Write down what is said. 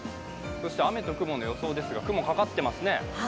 雨と雲の予想ですが、雲かかってますね。